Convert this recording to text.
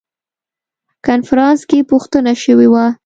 کنفرانس کې پوښتنه شوې وه.